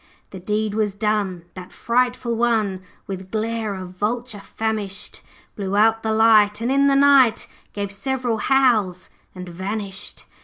'The deed was done, that frightful one, With glare of vulture famished, Blew out the light, and in the night Gave several howls, and vanished.